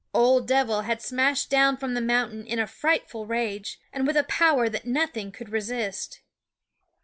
OF Dev'l had smashed down from the mountain in a frightful rage, and with a power that nothing could resist.